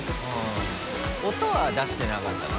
音は出してなかったかな？